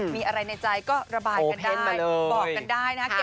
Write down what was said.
มีอะไรในใจก็ระบายกันได้บอกกันได้นะ